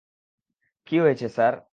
কি হয়েছে স্যার?